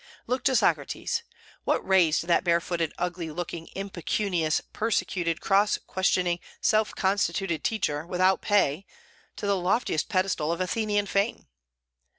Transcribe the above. Look to Socrates: what raised that barefooted, ugly looking, impecunious, persecuted, cross questioning, self constituted teacher, without pay, to the loftiest pedestal of Athenian fame?